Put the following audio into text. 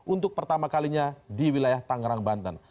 untuk pertama kalinya di wilayah tangerang banten